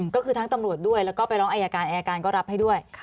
ก็คือทั้งตำรวจด้วยแล้วก็ไปร้องอายการอายการก็รับให้ด้วย